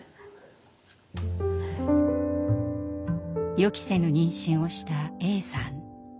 予期せぬ妊娠をしたＡさん。